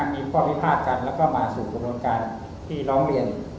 มีข้อพิพาทกันแล้วก็มาสู่กระบวนการที่ร้องเรียน